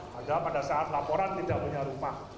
padahal pada saat laporan tidak punya rumah